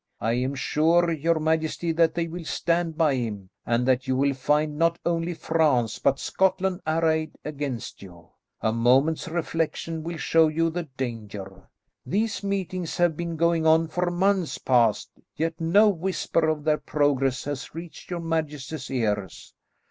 I am sure, your majesty, that they will stand by him, and that you will find not only France but Scotland arrayed against you. A moment's reflection will show you the danger. These meetings have been going on for months past, yet no whisper of their progress has reached your majesty's ears."